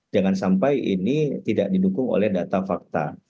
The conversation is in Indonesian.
jangan sampai ini tidak didukung oleh data fakta